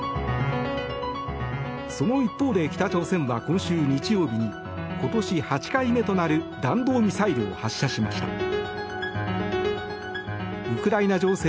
その一方で北朝鮮は今週日曜日に今年８回目となる弾道ミサイルを発射しました。